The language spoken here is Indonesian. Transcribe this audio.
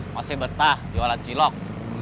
masih betah jualan cilok